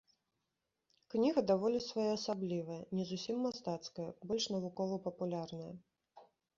Кніга даволі своеасаблівая, не зусім мастацкая, больш навукова-папулярная.